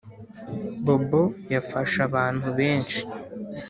bobo yafashe abantu benshi